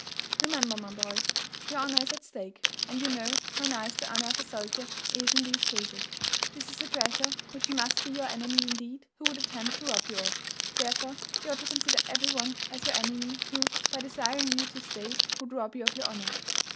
Remember, my boy, your honour is at stake; and you know how nice the honour of a soldier is in these cases. This is a treasure which he must be your enemy, indeed, who would attempt to rob you of. Therefore, you ought to consider every one as your enemy who, by desiring you to stay, would rob you of your honour.